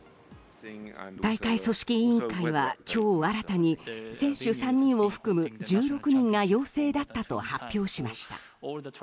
大会組織委員会は今日新たに選手３人を含む１６人が陽性だったと発表しました。